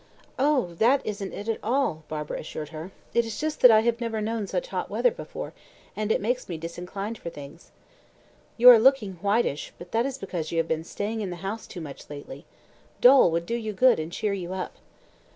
"Oh, that isn't it at all," Barbara assured her. "It is just that I have never known such hot weather before, and it makes me disinclined for things." "You are looking whitish, but that is because you have been staying in the house too much lately. Dol would do you good and cheer you up."